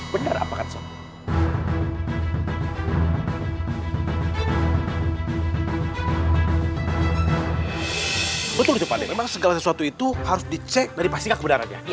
betul betul itu harus dicek dari pastinya kebenarannya